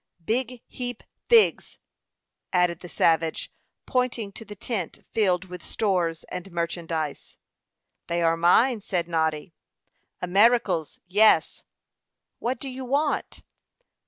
"Big heap thigs," added the savage, pointing to the tent filled with stores and merchandise. "They are mine," said Noddy. "Americals yes." "What do you want?"